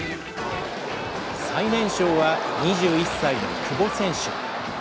最年少は２１歳の久保選手。